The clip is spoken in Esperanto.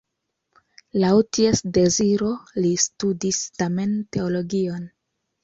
Laŭ ties deziro li studis tamen teologion.